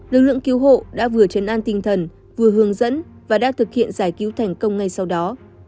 lực lượng cứu hộ đã vừa chấn an tinh thần vừa hướng dẫn và đang thực hiện giải cứu thành công ngay sau đó